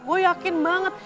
gue yakin banget